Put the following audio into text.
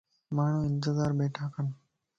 ماڻھون انتظار بيٺاڪن